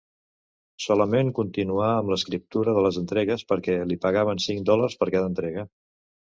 Solament continuà amb l'escriptura de les entregues perquè li pagaven cinc dòlars per cada entrega.